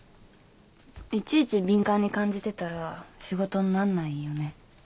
いちいち敏感に感じてたら仕事になんないよね？